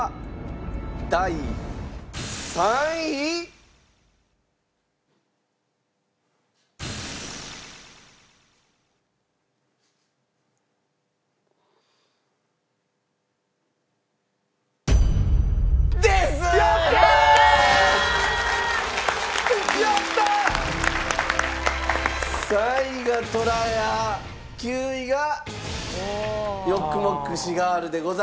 ９位がヨックモックシガールでございました。